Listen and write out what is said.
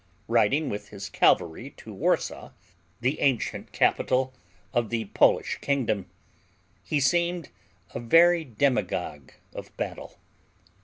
Riding with his cavalry to Warsaw, the ancient capital of the Polish kingdom, he seemed a very demigod of battle.